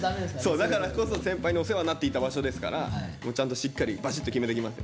だからこそ先輩にお世話になっていた場所ですからもうちゃんとしっかりバシッと決めてきます。